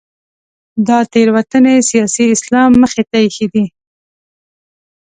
دا تېروتنې سیاسي اسلام مخې ته اېښې دي.